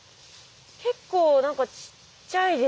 結構何かちっちゃいですね。